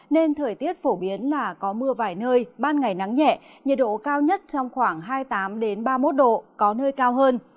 nên thời tiết phổ biến là có mưa vài nơi ban ngày nắng nhẹ nhiệt độ cao nhất trong khoảng hai mươi tám ba mươi một độ có nơi cao hơn